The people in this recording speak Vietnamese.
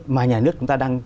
mà nhà nước chúng ta đang